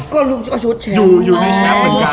ก็ชดแชมป์มาก